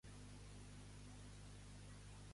Vull parlar de cosetes amb tu.